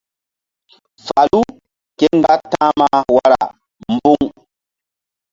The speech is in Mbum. Falu ke mgba ta̧hma wara mbu̧ŋ.